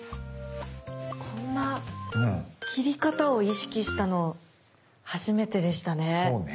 こんな切り方を意識したの初めてでしたね。